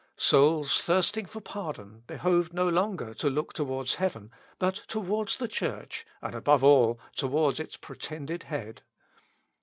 Souls thirsting for pardon behoved no longer to look towards heaven, but towards the Church, and, above all, towards its pretended head.